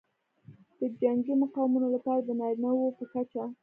د جنګي مقامونو لپاره د نارینه وو په کچه